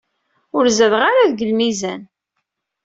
Ur zadeɣ ara deg lmizan.